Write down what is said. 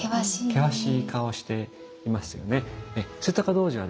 険しい顔をしていますよね。